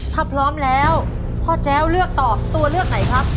ถ้าพร้อมแล้วพ่อแจ้วเลือกตอบตัวเลือกไหนครับ